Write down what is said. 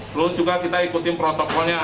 terus juga kita ikutin protokolnya